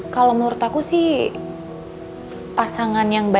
kalo menurut aku aren't you sad